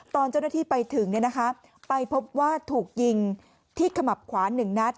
ตอนเจ้าหน้าที่ไปถึงไปพบว่าถูกยิงที่ขมับขวา๑นัด